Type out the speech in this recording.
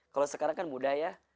kalau sekarang kan mudah ya